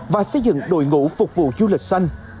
và xây dựng đội ngũ phục vụ du lịch xanh